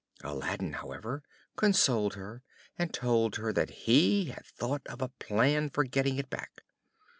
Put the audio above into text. Aladdin, however, consoled her, and told her that he had thought of a plan for getting it back.